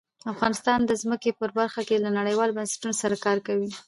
افغانستان د ځمکه په برخه کې له نړیوالو بنسټونو سره کار کوي.